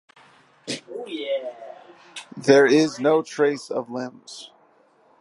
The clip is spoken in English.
There is no trace of limbs.